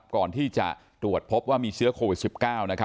ก่อนที่จะตรวจพบว่ามีเชื้อโควิด๑๙